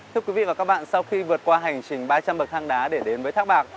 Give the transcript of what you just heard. thưa quý vị và các bạn sau khi vượt qua hành trình ba trăm linh bậc thang đá để đến với thác bạc